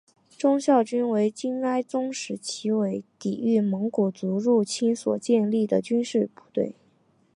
忠孝军为金哀宗时期为抵御蒙古族入侵所建立的军事部队。